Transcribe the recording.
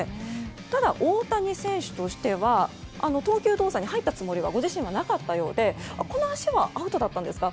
ただ、大谷選手としては投球動作に入ったつもりはご自身はなかったようでこの足はアウトだったんですか